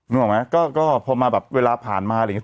นึกออกไหมก็พอมาแบบเวลาผ่านมาอะไรอย่างนี้